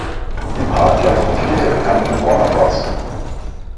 Im Park laufen viele der bekannten Warner Bros.